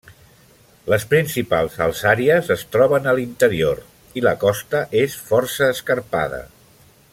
Les principals alçàries es troben a l'interior, i la costa és força escarpada.